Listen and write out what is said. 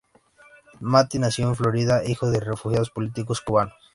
Marty nació en Florida hijo de refugiados políticos Cubanos.